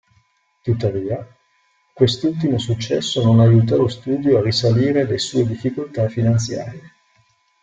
Tuttavia, quest'ultimo successo non aiutò lo studio a risalire le sue difficoltà finanziarie.